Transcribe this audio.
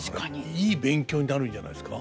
いい勉強になるんじゃないですか。